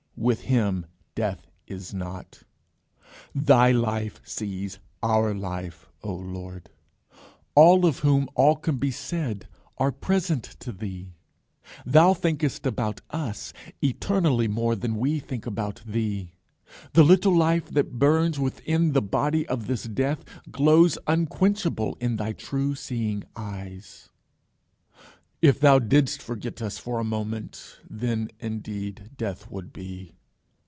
With Him death is not. Thy life sees our life, O Lord. All of whom all can be said, are present to thee. Thou thinkest about us, eternally more than we think about thee. The little life that burns within the body of this death, glows unquenchable in thy true seeing eyes. If thou didst forget us for a moment then indeed death would be.